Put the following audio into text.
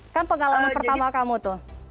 kan pengalaman pertama kamu tuh